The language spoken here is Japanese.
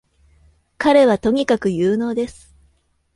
彼はとにかく有能です